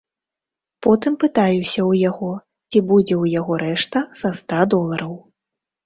Потым пытаюся ў яго, ці будзе ў яго рэшта са ста долараў.